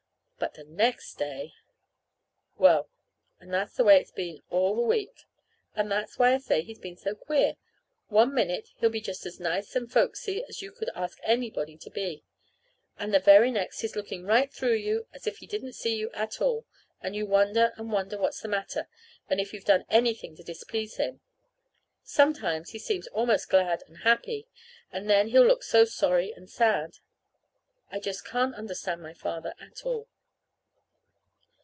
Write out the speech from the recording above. But the next day ! Well and that's the way it's been all the week. And that's why I say he's been so queer. One minute he'll be just as nice and folksy as you could ask anybody to be, and the very next he's looking right through you as if he didn't see you at all, and you wonder and wonder what's the matter, and if you've done anything to displease him. Sometimes he seems almost glad and happy, and then he'll look so sorry and sad! I just can't understand my father at all.